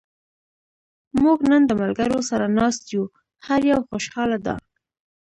موږ نن د ملګرو سره ناست یو. هر یو خوشحاله دا.